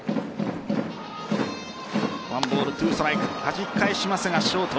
１ボール２ストライクはじき返しますがショート